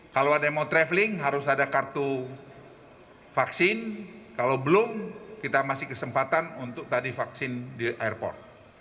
kalau ada yang mau traveling harus ada kartu vaksin kalau belum kita masih kesempatan untuk tadi vaksin di airport